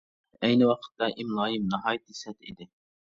ئەينى ۋاقىتتا ئىملايىم ناھايىتى سەت ئىدى.